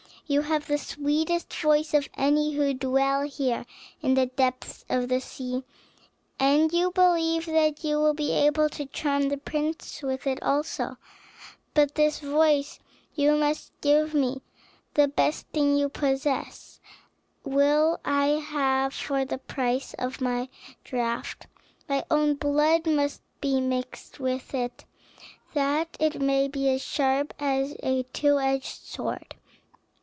You have the sweetest voice of any who dwell here in the depths of the sea, and you believe that you will be able to charm the prince with it also, but this voice you must give to me; the best thing you possess will I have for the price of my draught. My own blood must be mixed with it, that it may be as sharp as a two edged sword."